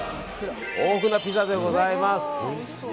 大船ピザでございます。